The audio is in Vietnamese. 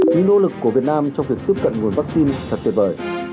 những nỗ lực của việt nam trong việc tiếp cận nguồn vaccine thật tuyệt vời